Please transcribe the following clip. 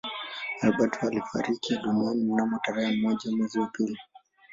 Albert alifariki dunia mnamo tarehe moja mwezi wa pili